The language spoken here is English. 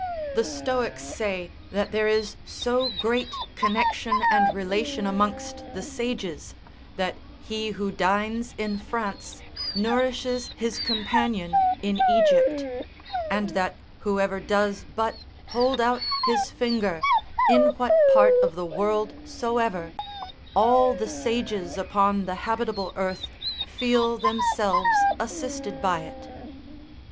The Stoics say that there is so great connection and relation amongst the sages, that he who dines in France nourishes his companion in Egypt; and that whoever does but hold out his finger, in what part of the world soever, all the sages upon the habitable earth feel themselves assisted by it.